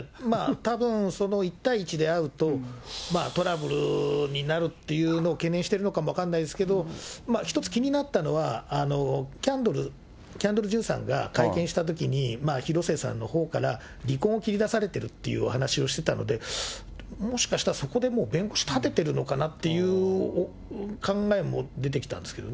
たぶん、１対１で会うと、トラブルになるっていうのを懸念してるのかも分かんないですけど、１つ、気になったのは、キャンドル・ジュンさんが会見したときに、広末さんのほうから離婚を切り出されてるっていうお話をしていたので、もしかしたらそこでもう、弁護士立ててるのかなっていう考えも出てきたんですけど。